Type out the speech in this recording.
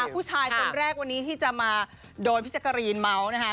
ผู้ชายคนแรกวันนี้ที่จะมาโดนพี่แจ๊กกะรีนเมาส์นะคะ